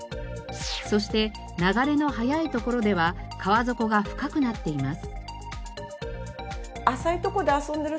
そして流れの速い所では川底が深くなっています。